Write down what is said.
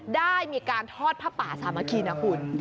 ได้มีการทอดผ้าป่าสามัคคีนะคุณ